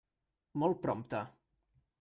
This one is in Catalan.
Molt prompte.